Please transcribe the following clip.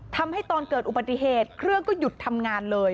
ทำให้ตอนเกิดอุบัติเหตุเครื่องก็หยุดทำงานเลย